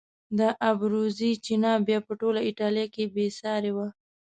د ابروزي چینه بیا په ټوله ایټالیا کې بې سارې وه.